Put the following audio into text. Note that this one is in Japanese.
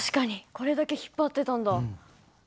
これだけ引っ張ってたんだ。